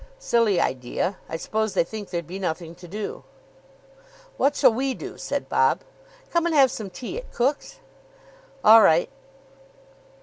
Silly idea. I suppose they think there'd be nothing to do." "What shall we do?" said Bob. "Come and have some tea at Cook's?" "All right."